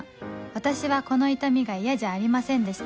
私はこの痛みが嫌じゃありませんでした